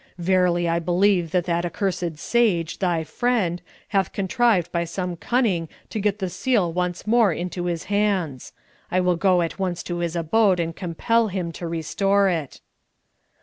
Verily I believe that that accursed sage, thy friend, hath contrived by some cunning to get the seal once more into his hands. I will go at once to his abode and compel him to restore it."